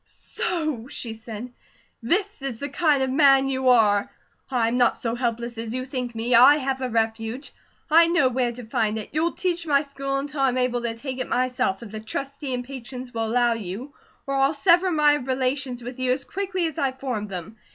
"So?" she said. "This is the kind of man you are? I'm not so helpless as you think me. I have a refuge. I know where to find it. You'll teach my school until I'm able to take it myself, if the Trustee and patrons will allow you, or I'll sever my relations with you as quickly as I formed them.